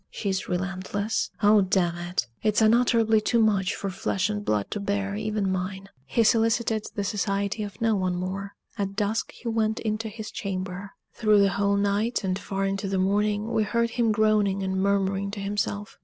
she's relentless. Oh, damn it! It's unutterably too much for flesh and blood to bear, even mine." He solicited the society of no one more. At dusk he went into his chamber. Through the whole night, and far into the morning, we heard him groaning and murmuring to himself.